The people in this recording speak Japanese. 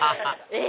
え！